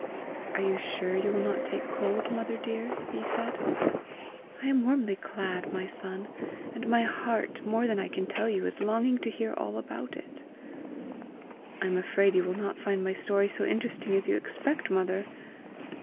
"Are you sure you will not take cold mother dear?" he said. "I am warmly clad, my son; and my heart, more than I can tell you, is longing to hear all about it." "I am afraid you will not find my story so interesting as you expect, mother!"